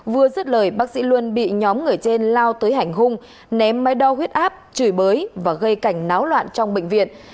vừa giết lời bác sĩ luân bị nhóm người trên lao tới hành hung ném máy đo huyết áp chửi bới và gây cảnh náo loạn trong bệnh viện